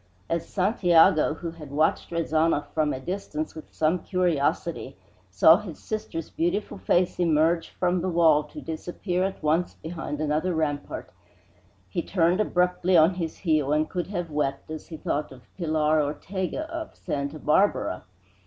As Santiago, who had watched Rezanov from a distance with some curiosity, saw his sister's beautiful face emerge from the wall to disappear at once behind another rampart, he turned abruptly on his heel and could have wept as he thought of Pilar Ortego of Santa Barbara.